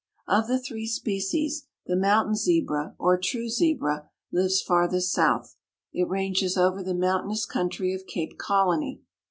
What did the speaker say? Of the three species, the mountain Zebra or true Zebra lives farthest south. It ranges over the mountainous country of Cape Colony.